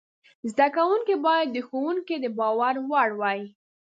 زده کوونکي باید د ښوونکي د باور وړ وای.